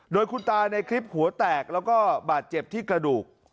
โดยคุณตาในคลิปหัวแตกแล้วก็บาดเจ็บที่กระดูก